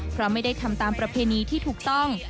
เพราะไม่ได้ทำตามประเพณีที่ถูกต้อง